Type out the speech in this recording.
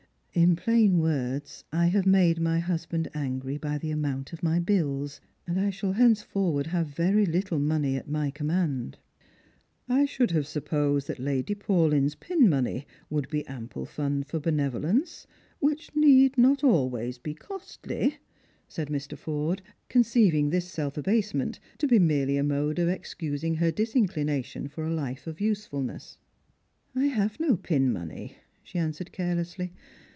In plain words, I have made my husband angry by the amount of my bills, and I shall henceforward have very httle money at my command." " I should have supposed that Lady Paulyn's pin money would be ample fund for benevolence, which need not always be costly," said Mr. Forde, conceiving this self abasement to be merely a mode of excusing her disinclination for a fife of useful ness. " I have no pin money," she answered carelessly.